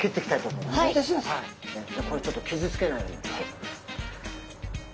これちょっと傷つけないように。